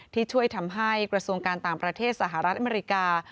ที่ช่วยทำให้กระทรวงการต่างประเทศสหรัฐอเมริกา